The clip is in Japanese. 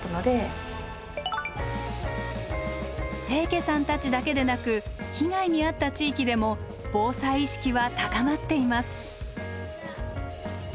清家さんたちだけでなく被害に遭った地域でも防災意識は高まっています。